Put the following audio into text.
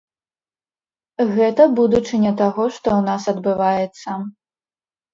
Гэта будучыня таго, што ў нас адбываецца.